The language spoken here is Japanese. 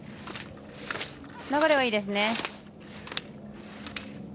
流れはいいですね。